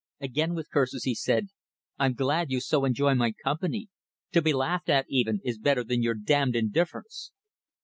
Again, with curses, he said, "I'm glad you so enjoy my company. To be laughed at, even, is better than your damned indifference."